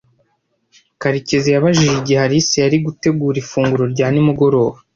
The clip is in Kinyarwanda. Karekezi yibajije igihe Alice yari gutegura ifunguro rya nimugoroba.